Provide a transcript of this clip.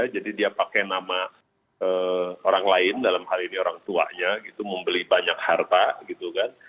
jadi dia pakai nama orang lain dalam hal ini orang tuanya membeli banyak harta gitu kan